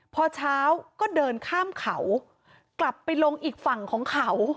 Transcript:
พอเช้าก็เดินข้ามเขากลับไปลงอีกฝั่งของเขา